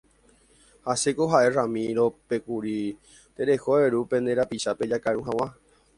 Ha chéko ha'e Ramiro-pe kuri tereho eru pe nde rapichápe jakaru hag̃ua.